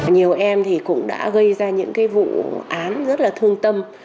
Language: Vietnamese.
nhiều em cũng đã gây ra những vụ án rất thương tâm